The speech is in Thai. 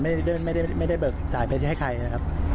ไม่ได้เบรกจ่ายไปให้ใคร